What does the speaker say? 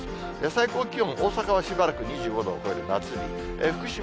最高気温、大阪はしばらく２５度を超える夏日。